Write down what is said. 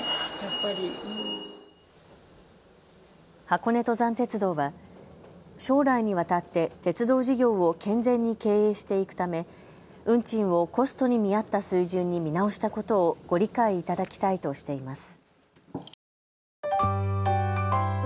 箱根登山鉄道は将来にわたって鉄道事業を健全に経営していくため運賃をコストに見合った水準に見直したことをご理解いただきたいとしています。